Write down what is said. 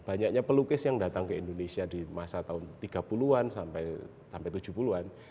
banyaknya pelukis yang datang ke indonesia di masa tahun tiga puluh an sampai tujuh puluh an